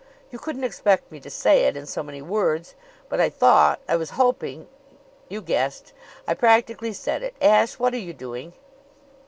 You couldn't expect me to say it in so many words; but I thought I was hoping you guessed. I practically said it. Ashe! What are you doing?"